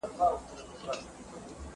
ماشوم به څه لري رنځور بوډا یې ګور نه لري